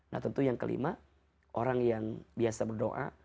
nah tentu yang kelima orang yang biasa berdoa